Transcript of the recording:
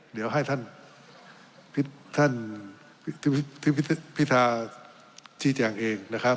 เดี๋ยวให้ท่านพิธาชี้แจงเองนะครับ